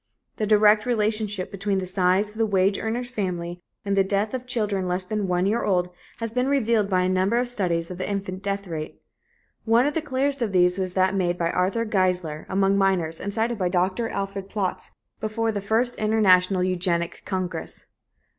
The direct relationship between the size of the wage earner's family and the death of children less than one year old has been revealed by a number of studies of the infant death rate. One of the clearest of these was that made by Arthur Geissler among miners and cited by Dr. Alfred Ploetz before the First International Eugenic Congress.